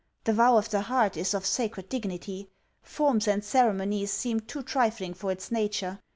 The vow of the heart is of sacred dignity. Forms and ceremonies seem too trifling for its nature.